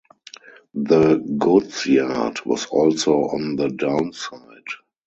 The goods yard was also on the 'down' side.